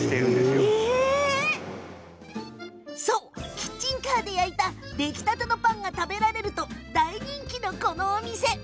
キッチンカーで焼いた出来たてのパンが食べられると大人気のこのお店。